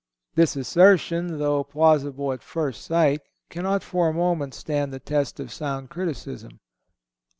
This assertion, though plausible at first sight, cannot for a moment stand the test of sound criticism.